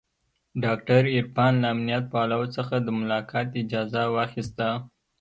ډاکتر عرفان له امنيت والاو څخه د ملاقات اجازه واخيسته.